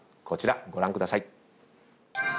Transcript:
こちらご覧ください。